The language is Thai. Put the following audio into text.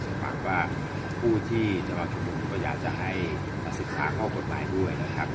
ฉันคุณผู้ที่จะรอชุมงศ์ผมก็อยากจะสิขาเข้าบทหมายด้วยนะครับ